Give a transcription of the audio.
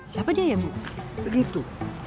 siapa dia ya bu